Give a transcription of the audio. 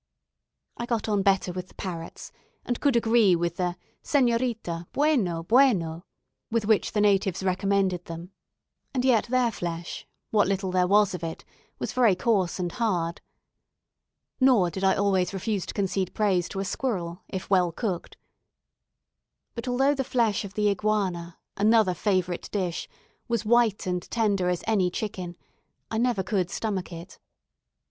I got on better with the parrots, and could agree with the "senorita, buono buono" with which the natives recommended them; and yet their flesh, what little there was of it, was very coarse and hard. Nor did I always refuse to concede praise to a squirrel, if well cooked. But although the flesh of the iguana another favourite dish was white and tender as any chicken, I never could stomach it.